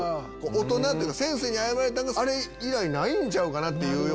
大人っていうか先生に謝られたんあれ以来ないんちゃうかなって。